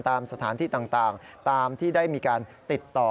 ตามสถานที่ต่างตามที่ได้มีการติดต่อ